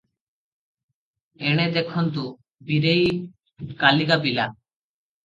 ଏଣେ ଦେଖନ୍ତୁ, ବୀରେଇ କାଲିକା ପିଲା ।"